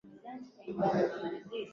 ombi lililo bezwa vikali na waandamanaji